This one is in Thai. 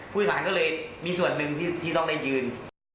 ผู้โดยสารก็เลยมีส่วนหนึ่งที่ต้องได้ยืน